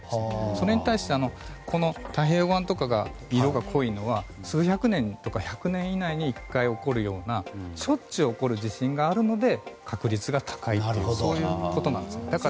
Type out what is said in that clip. それに対して太平洋側とかが色が濃いのは数百年とか１００年に１回起こるようなしょっちゅう起こる地震があるので確率が高いということです。